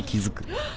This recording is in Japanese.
あっ。